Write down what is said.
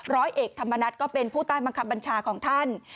ร้อยเอกธรรมนัฏก็เป็นผู้ใต้บังคับบัญชาของท่าน